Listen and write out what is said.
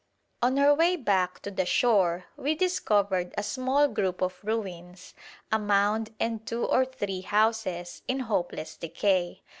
On our way back to the shore we discovered a small group of ruins, a mound and two or three houses, in hopeless decay.